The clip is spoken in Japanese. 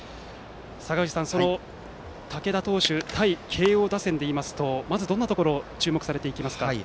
坂口さん、その竹田投手対慶応打線でいいますとまず、どんなところに注目されますか。